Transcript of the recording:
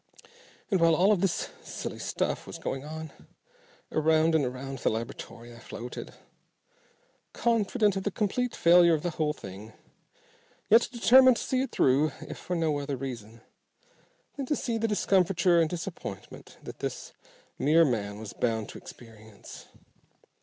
And while all this silly stuff was going on, around and around the laboratory I floated, confident of the complete failure of the whole thing, yet determined to see it through if for no other reason than to see the discomfiture and disappointment that this mere man was bound to experience.